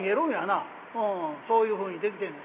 「ああそういうふうに出来てんねん」。